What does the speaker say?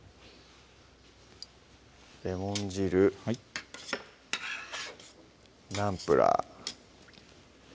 レモン汁はいナンプラー